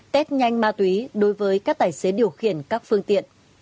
test nhanh ma túy đối với các tài xế điều khiển các phương tiện